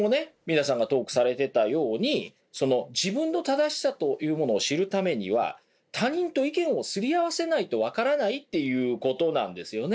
皆さんがトークされてたように自分の正しさというものを知るためには他人と意見をすり合わせないと分からないっていうことなんですよね。